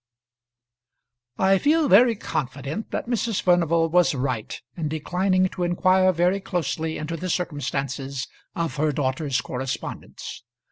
I feel very confident that Mrs. Furnival was right in declining to inquire very closely into the circumstances of her daughter's correspondence.